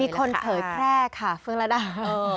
คนเผยแพร่ค่ะเฟืองระดา